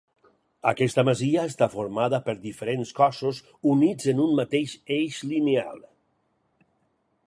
Aquesta masia està formada per diferents cossos units en un mateix eix lineal.